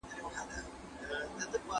که خلک یو موټی وي، هیڅ دښمن یې نه سي ماتولی.